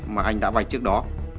mà anh đã vay trước đó